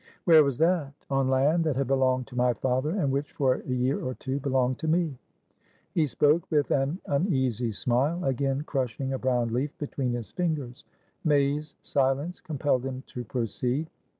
"Where was that?" "On land that had belonged to my father, and, which, for a year or two, belonged to me." He spoke with an uneasy smile, again crushing a brown leaf between his fingers. May's silence compelled him to proceed.